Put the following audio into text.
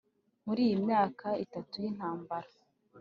muri iyi myaka itatu y'intambara.